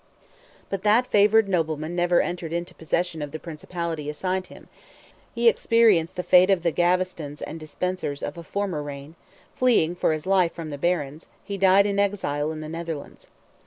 But that favoured nobleman never entered into possession of the principality assigned him; he experienced the fate of the Gavestons and de Spencers of a former reign; fleeing, for his life, from the Barons, he died in exile in the Netherlands.